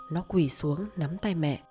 nó quỷ xuống nắm tay mẹ